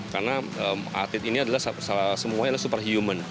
karena atlet ini adalah salah satu superhuman